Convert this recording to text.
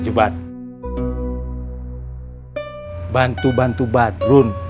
jubat bantu bantu badrun